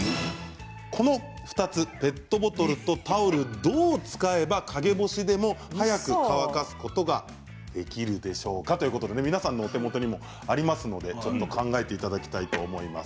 この２つ、ペットボトルとタオルどう使えば陰干しでも早く乾かすことができるでしょうかということで皆さんのお手元にもありますのでちょっと考えていただきたいと思います。